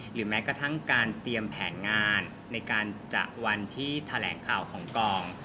แม้กระทั่งการเตรียมแผนงานในการจะวันที่แถลงข่าวของกอง